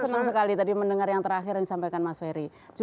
senang sekali tadi mendengar yang terakhir yang disampaikan mas ferry